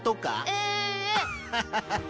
ハハハハ！